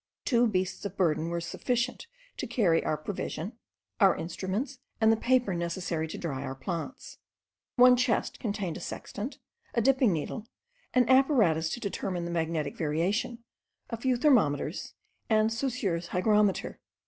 Two beasts of burden were sufficient to carry our provision, our instruments, and the paper necessary to dry our plants. One chest contained a sextant, a dipping needle, an apparatus to determine the magnetic variation, a few thermometers, and Saussure's hygrometer.